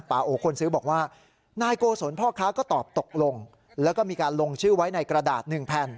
โอคนซื้อบอกว่านายโกศลพ่อค้าก็ตอบตกลงแล้วก็มีการลงชื่อไว้ในกระดาษหนึ่งแผ่น